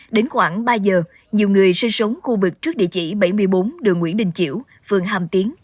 đến khoảng ba giờ nhiều người sinh sống khu vực trước địa chỉ bảy mươi bốn đường nguyễn đình chiểu phường hàm tiến